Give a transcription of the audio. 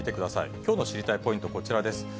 きょうの知りたいポイント、こちらです。